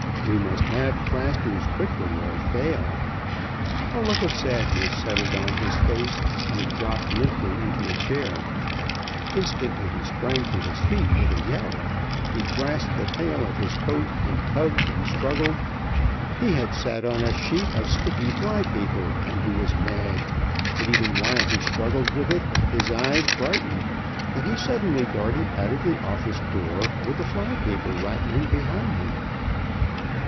We must have plasters quickly or fail. A look of sadness settled on his face, and he dropped limply into a chair. Instantly he sprang to his feet with a yell. He grasped the tail of his coat and tugged and struggled. He had sat on a sheet of sticky fly paper, and he was mad, but even while he struggled with it, his eyes brightened, and he suddenly darted out of the office door, with the fly paper rattling behind him.